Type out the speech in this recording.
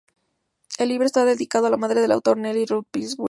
El libro está dedicado a la madre del autor Nellie Ruth Pillsbury.